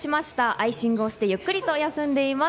アイシングをして、ゆっくりと休んでいます。